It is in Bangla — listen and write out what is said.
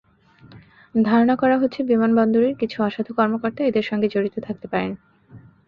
ধারণা করা হচ্ছে, বিমানবন্দরের কিছু অসাধু কর্মকর্তা এঁদের সঙ্গে জড়িত থাকতে পারেন।